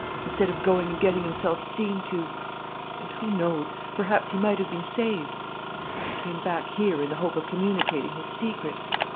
Instead of going and getting himself seen to and who knows? Perhaps he might have been saved he came back here in the hope of communicating his secret.